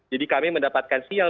jadi kami mendapatkan sial